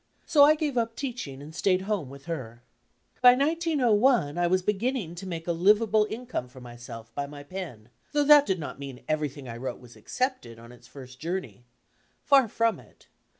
So I gave up teaching and stayed home with her. By 190 1 1 was beginning to make a "livable" income for myself by my pen, though that did not mean everything I wrote was accepted on its first journey. Far from it.